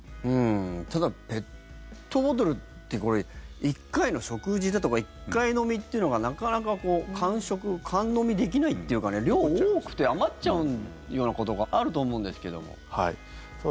ペットボトルってこれ、１回の食事だと１回飲みというのがなかなか完食完飲みできないっていうか量多くて余っちゃうようなことがあると思うんですけども。